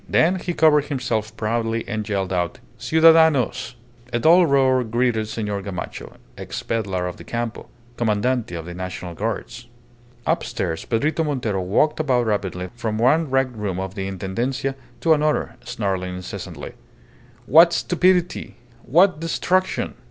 Then he covered himself proudly and yelled out, "Ciudadanos!" A dull roar greeted Senor Gamacho, ex pedlar of the Campo, Commandante of the National Guards. Upstairs Pedrito Montero walked about rapidly from one wrecked room of the Intendencia to another, snarling incessantly "What stupidity! What destruction!"